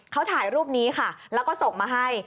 เขาถ่ายรูปนี้ค่ะแล้วก็ส่งมาให้